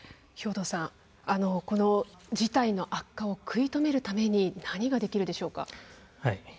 兵頭さん事態の悪化を食い止めるために何ができるでしょうか？